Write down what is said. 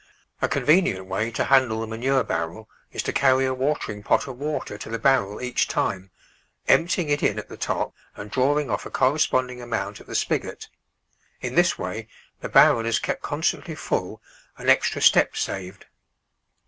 A convenient way to handle the manure barrel is to carry a watering pot of water to the barrel each time, emptying it in at the top and drawing off a corresponding amount at the spigot — in this way the barrel is kept constantly full and extra steps saved.